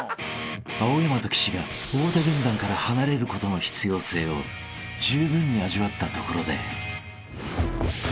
［青山と岸が太田軍団から離れることの必要性をじゅうぶんに味わったところで］